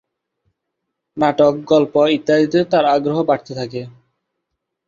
নাটক গল্প ইত্যাদিতে তার আগ্রহ বাড়তে থাকে।